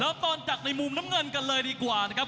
ตอนจัดในมุมน้ำเงินกันเลยดีกว่านะครับ